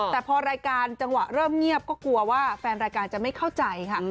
แต่พอรายการจังหวะเริ่มเงียบก็กลัวว่าแฟนรายการจะไม่เข้าใจค่ะ